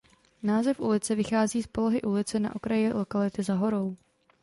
Název ulice vychází z polohy ulice na okraji lokality Za Horou.